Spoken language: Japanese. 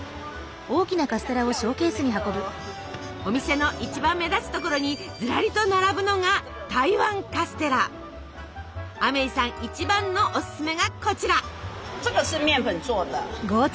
お店の一番目立つところにずらりと並ぶのがアメイさん一番のおすすめがこちら。